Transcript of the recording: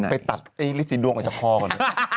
ไปตัดลิสินดวงออกจากคอก่อน